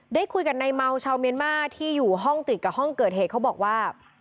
ได้คุยกับนายเมาชาวเมียนมาที่อยู่ห้องติดกับห้องเกิดเหตุเขาบอกว่า